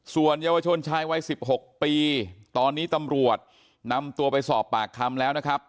ส่วนเยาวชนชายวัย๑๖ปีตอนนี้ตำรวจนำตัวไปสอบปากคำแล้วนะครับ